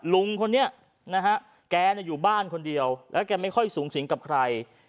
ลุงคนนี้นะฮะแกอยู่บ้านคนเดียวแล้วแกไม่ค่อยสูงสิงกับใคร